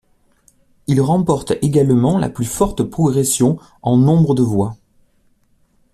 Ils remportent également la plus forte progression en nombre de voix.